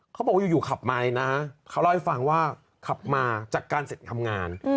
เขาบอกว่าอยู่ขับไมค์นะเขาเล่าให้ฟังว่าขับมาจากการเสร็จทำงาน